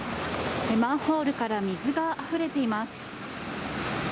マンホールから水があふれています。